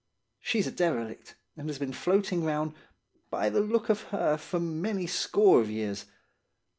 She's a derelict, and has been floating round, by the look of her, for many a score of years.